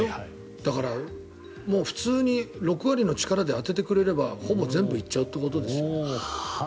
だから、普通に６割の力で当ててくれれば当ててくれれば、ほぼ全部行っちゃうということです。